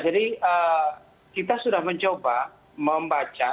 jadi kita sudah mencoba membaca